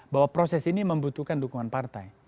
bahwa proses ini membutuhkan dukungan partai